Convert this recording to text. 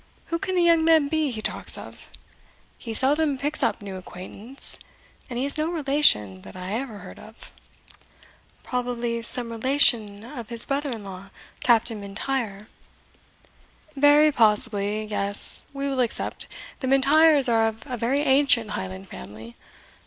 Who can the young man be he talks of? he seldom picks up new acquaintance; and he has no relation that I ever heard of." "Probably some relation of his brother in law Captain M'Intyre." "Very possibly yes, we will accept the M'Intyres are of a very ancient Highland family.